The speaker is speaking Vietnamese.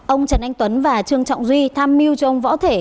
ông trần anh tuấn và trương trọng duy tham mưu cho ông võ thể